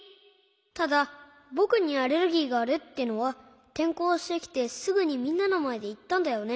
ただぼくにアレルギーがあるってのはてんこうしてきてすぐにみんなのまえでいったんだよね。